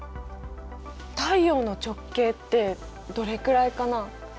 太陽の直径ってどれくらいかな？